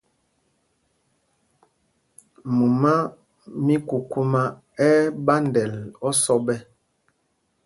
Mumá mí kukumá ɛ́ ɛ́ ɓandɛl osɔ ɓɛ́.